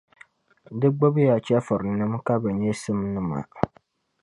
Di gbibi ya chεfurinim’ ka bɛ nyɛ simnima.